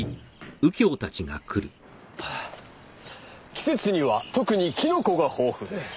「季節には特にキノコが豊富です」